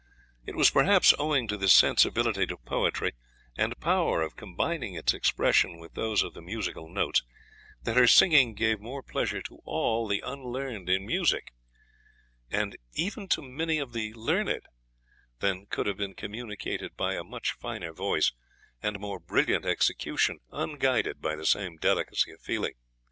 It was perhaps owing to this sensibility to poetry, and power of combining its expression with those of the musical notes, that her singing gave more pleasure to all the unlearned in music, and even to many of the learned, than could have been communicated by a much finer voice and more brilliant execution unguided by the same delicacy of feeling.